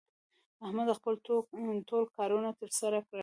احمد خپل ټول کارونه تر سره کړل